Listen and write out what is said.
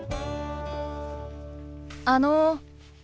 あの。